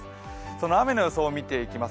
その雨の予想を見ていきます。